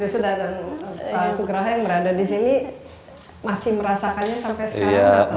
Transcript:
sudah pak sugraha yang berada di sini masih merasakannya sampai sekarang atau